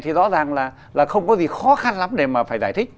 thì rõ ràng là không có gì khó khăn lắm để mà phải giải thích